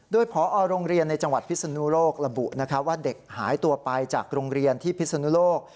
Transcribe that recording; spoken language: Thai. โดยพอโรงเรียนในจังหวัดพิศนุโลกระบุว่าเด็กหายตัวไปจากโรงเรียนที่พิศนุโลก